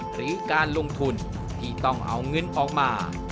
หรือการลงทุนที่ต้องเอาเงินออกมา